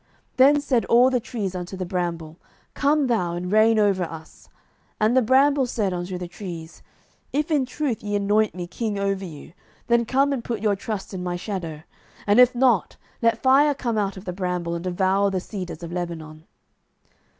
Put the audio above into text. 07:009:014 Then said all the trees unto the bramble, Come thou, and reign over us. 07:009:015 And the bramble said unto the trees, If in truth ye anoint me king over you, then come and put your trust in my shadow: and if not, let fire come out of the bramble, and devour the cedars of Lebanon.